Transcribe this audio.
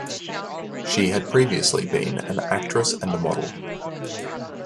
She had previously been an actress and a model.